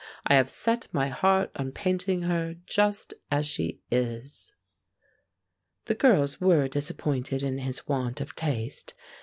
"I have set my heart on painting her just as she is." The girls were disappointed in his want of taste.